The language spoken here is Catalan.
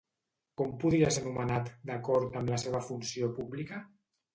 Com podria ser anomenat, d'acord amb la seva funció pública?